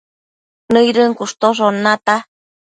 nëidën cushtoshon nata